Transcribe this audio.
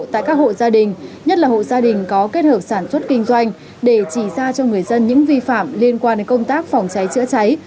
tại các hộ gia đình nhất là hộ gia đình có kết hợp sản xuất kinh doanh để chỉ ra cho người dân những vi phạm liên quan đến công tác phòng cháy chữa cháy